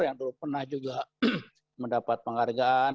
yang dulu pernah juga mendapat penghargaan